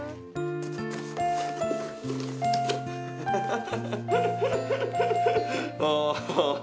ハハハハ！